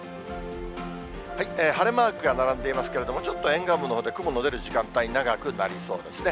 晴れマークが並んでいますけれども、ちょっと沿岸部のほうで雲の出る時間帯、長くなりそうですね。